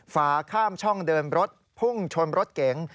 ฝาข้ามช่องเดินรถพุ่งชนรถเก๋ง